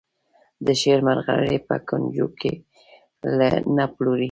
د شعر مرغلرې په کونجکو نه پلوري.